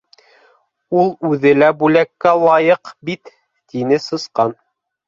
—Ул үҙе лә бүләккә лайыҡ бит, —тине Сысҡан.